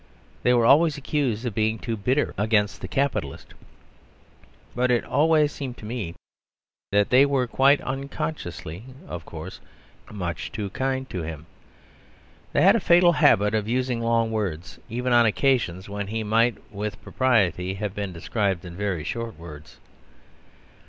They were always accused of being too bitter against the capitalist. But it always seemed to me that they were (quite unconsciously, of course) much too kind to him. They had a fatal habit of using long words, even on occasions when he might with propriety have been described in very short words.